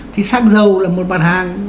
thì xăng dầu là một bản hàng